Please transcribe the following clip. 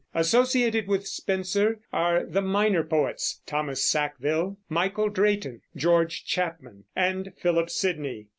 Associated with Spenser are the minor poets, Thomas Sackville, Michael Drayton, George Chapman, and Philip Sidney.